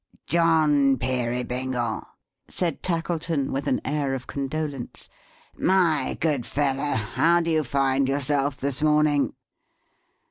"John Peerybingle!" said Tackleton, with an air of condolence. "My good fellow, how do you find yourself this morning?"